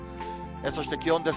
そして気温です。